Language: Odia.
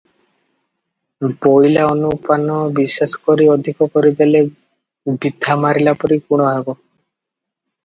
ବୋଇଲା ଅନୁପାନ ବିଶେଷ କରି ଅଧିକ କରିଦେଲେ ବିଧା ମାରିଲାପରି ଗୁଣ ହେବ ।"